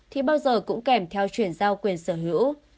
thì bao giờ cũng kèm theo chuyển giao quyền sở hữu